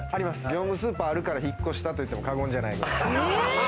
業務スーパーあるから引っ越したといっても過言じゃない。